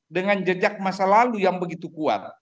dengan jejak masa lalu yang begitu kuat